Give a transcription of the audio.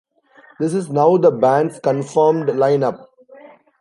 This is now the bands confirmed line up.